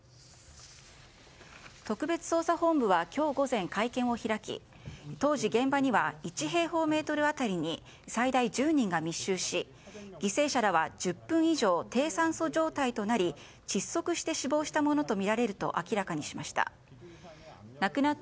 特別捜査本部は今日午前会見を開き当時、現場には１平方メートル当たりに最大１０人が密集し犠牲者らは１０分以上低酸素状態となり窒息して死亡したものとみられると明らかにしました。